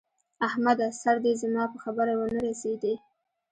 احمده! سر دې زما په خبره و نه رسېدی!